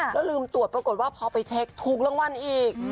แล้วลืมตรวจปรากฏว่าพอไปเช็คถูกรางวัลอีก